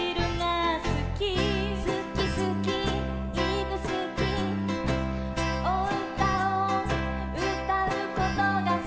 「すきすきいぶすき」「おうたをうたうことがすき」